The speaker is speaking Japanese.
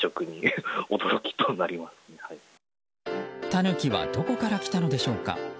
タヌキはどこから来たのでしょうか。